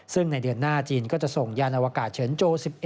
ซึ่งในเดือนหน้าจีนก็จะส่งยานอวกาศเฉินโจ๑๑